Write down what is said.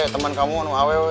temen kamu harus aww